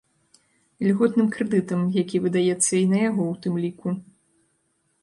Ільготным крэдытам, які выдаецца і на яго ў тым ліку.